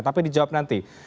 tapi dijawab nanti